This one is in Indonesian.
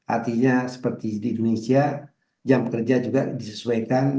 artinya seperti di indonesia jam kerja juga disesuaikan